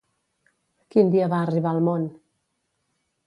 Quin dia va arribar al món?